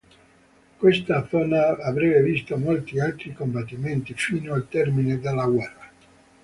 Questa zona avrebbe visto molti altri combattimenti fino al termine della guerra.